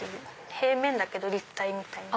平面だけど立体みたいな。